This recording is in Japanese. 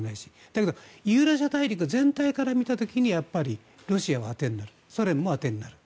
だけどユーラシア大陸全体から見た時にロシアは当てになるソ連も当てになる。